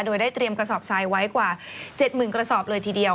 โดยได้เตรียมกระสอบทรายไว้กว่า๗๐๐กระสอบเลยทีเดียว